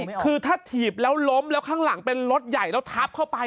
คือถ้าถีบแล้วล้มแล้วข้างหลังเป็นรถใหญ่แล้วทับเข้าไป